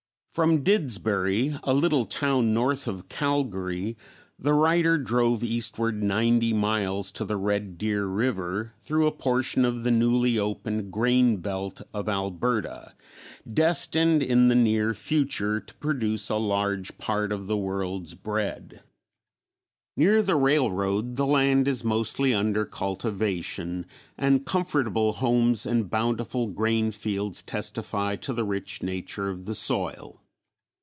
From Didsbury, a little town north of Calgary, the writer drove eastward ninety miles to the Red Deer River through a portion of the newly opened grain belt of Alberta, destined in the near future to produce a large part of the world's bread. Near the railroad the land is mostly under cultivation and comfortable homes and bountiful grain fields testify to the rich nature of the soil.